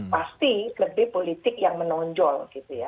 pasti lebih politik yang menonjol gitu ya